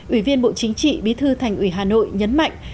ủy viên bộ chính trị bí thư thành ủy hà nội nhấn mạnh